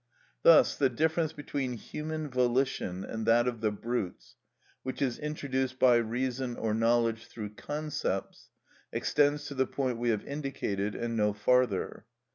Thus the difference between human volition and that of the brutes, which is introduced by reason or knowledge through concepts, extends to the point we have indicated, and no farther.